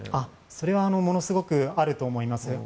それはものすごくあると思います。